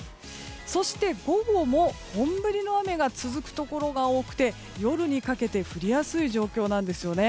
そして、午後も本降りの雨が続くところが多くて夜にかけて降りやすい状況なんですよね。